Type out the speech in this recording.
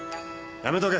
やめとけ！